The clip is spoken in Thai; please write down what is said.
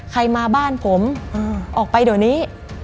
ใครมาบ้านผมออกไปเดี๋ยวนี้